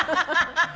ハハハハ。